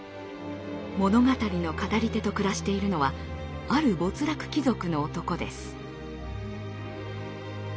物語の語り手と暮らしているのはある没落貴族の男です。